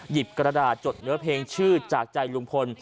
กระดาษจดเนื้อเพลงชื่อจากใจลุงพล